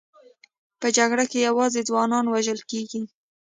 په جګړه کې یوازې ځوانان وژل کېږي